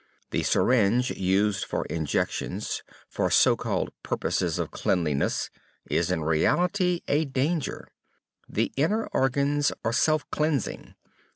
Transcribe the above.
The syringe used for injections, for so called purposes of cleanliness, is in reality a danger. The inner organs are self cleansing.